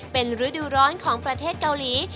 เป็นฤดูร้อนของประเทศเกาหลี